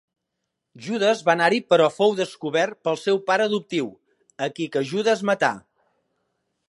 Judes va anar-hi però fou descobert pel seu pare adoptiu, a qui que Judes matà.